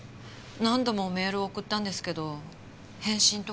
何度もメールを送ったんですけど返信とか全然なくて。